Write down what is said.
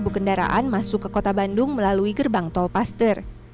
empat belas kendaraan masuk ke kota bandung melalui gerbang tolpaster